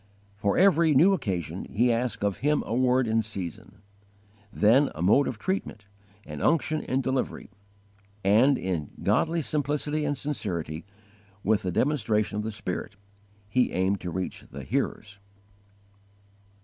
_ For every new occasion he asked of Him a word in season; then a mode of treatment, and unction in delivery; and, in godly simplicity and sincerity, with the demonstration of the Spirit, he aimed to reach the hearers.